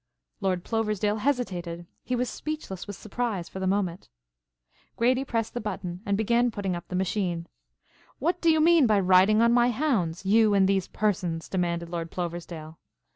Lord Ploversdale hesitated. He was speechless with surprise for the moment. Grady pressed the button and began putting up the machine. "What do you mean by riding on my hounds, you and these persons?" demanded Lord Ploversdale.